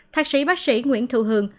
thạc sĩ bác sĩ nguyễn thu hường